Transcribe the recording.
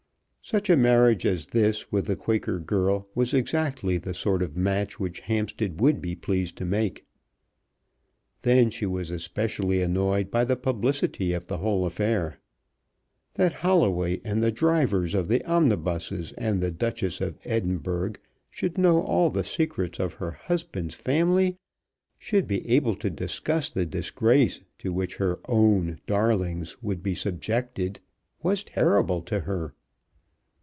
Such a marriage as this with the Quaker girl was exactly the sort of match which Hampstead would be pleased to make. Then she was especially annoyed by the publicity of the whole affair. That Holloway and the drivers of the omnibuses, and the "Duchess of Edinburgh" should know all the secrets of her husband's family, should be able to discuss the disgrace to which "her own darlings" would be subjected, was terrible to her.